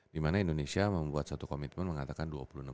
di mana indonesia membuat satu komitmen mengatakan dua puluh enam puluh